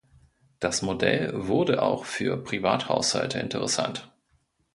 Das Modell wurde auch für Privathaushalte interessant.